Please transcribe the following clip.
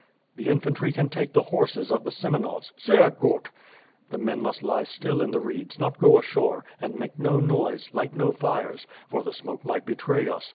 "The infantry can take the horses of the Semenovs." "Sehr gut!" "The men must lie still in the reeds, not go ashore; and make no noise, light no fires, for the smoke might betray us.